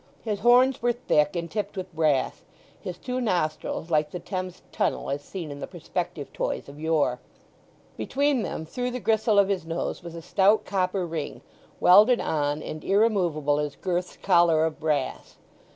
His horns were thick and tipped with brass; his two nostrils like the Thames Tunnel as seen in the perspective toys of yore. Between them, through the gristle of his nose, was a stout copper ring, welded on, and irremovable as Gurth's collar of brass.